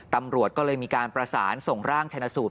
ตำรวจก็เลยมีการประสานส่งร่างชนะสูตร